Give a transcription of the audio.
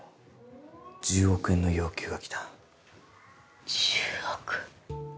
１０億円の要求が来た１０億！？